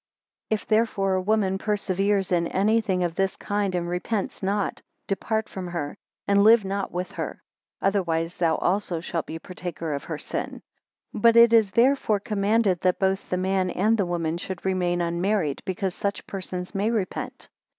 If therefore a woman perseveres in any thing of this kind, and repents not, depart from her; and live not with her, otherwise thou also shalt be partaker of her sin. 10 But it is therefore commanded that both the man and the woman should remain unmarried, because such persons may repent.